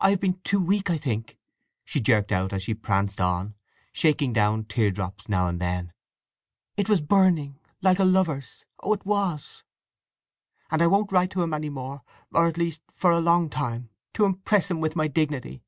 "I have been too weak, I think!" she jerked out as she pranced on, shaking down tear drops now and then. "It was burning, like a lover's—oh, it was! And I won't write to him any more, or at least for a long time, to impress him with my dignity!